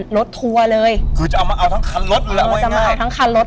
รถทัวร์เลยคือจะเอามาเอาทั้งคันรถหรืออะไรง่ายง่ายจะมาเอาทั้งคันรถ